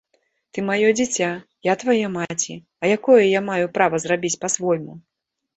Ты маё дзіця, я твая маці, а якое я маю права зрабіць па-свойму?